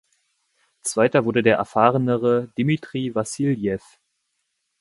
Zweiter wurde der erfahrenere Dmitri Wassiljew.